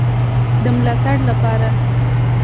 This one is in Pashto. د ملاتړ لپاره